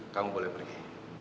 kamu boleh pergi